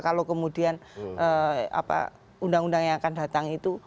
kalau kemudian undang undang yang akan datang itu